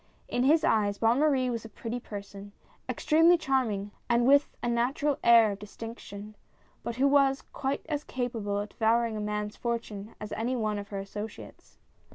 In his eyes Bonne Marie was a pretty person — extremely charm ing, and with a natural air of distinction, but who was quite as capable of devouring a man's fortune as any one of her associates.